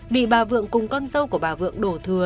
bị bà vượng cùng con dâu của bà vượng đổ thừa